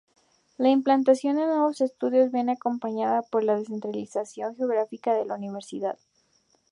La implantación de nuevos estudios viene acompañada por la descentralización geográfica de la Universidad.